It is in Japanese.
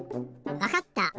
わかった！